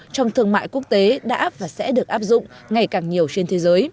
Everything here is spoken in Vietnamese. trong thương mại quốc tế đã và sẽ được áp dụng ngày càng nhiều trên thế giới